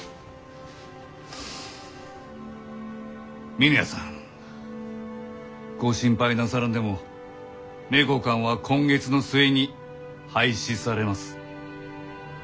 峰屋さんご心配なさらんでも名教館は今月の末に廃止されます。